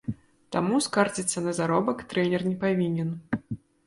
Таму скардзіцца на заробак трэнер не павінен.